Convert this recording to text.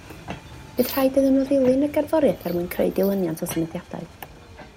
Bydd rhaid iddyn nhw ddilyn y gerddoriaeth er mwyn creu dilyniant o symudiadau